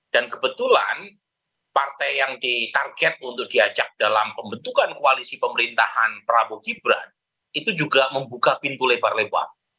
kebetulan partai yang ditarget untuk diajak dalam pembentukan koalisi pemerintahan prabowo gibran itu juga membuka pintu lebar lebar